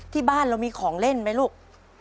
ที่บ้านเรามีของเล่นไหมลูก